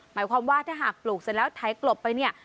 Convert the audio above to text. หมายความว่าถ้าหากปลูกเสร็จแล้วไถกลบไปเนี่ย